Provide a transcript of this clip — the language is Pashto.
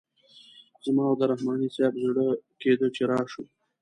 زما او د رحماني صیب زړه کیده چې راشو.